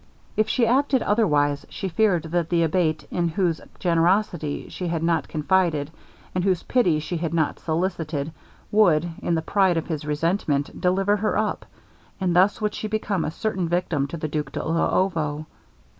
If she acted otherwise, she feared that the Abate, in whose generosity she had not confided, and whose pity she had not solicited, would, in the pride of his resentment, deliver her up, and thus would she become a certain victim to the Duke de Luovo.